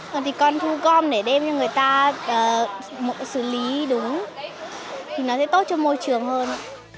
còn thì con thu gom để đem cho người ta xử lý đúng thì nó sẽ tốt cho môi trường hơn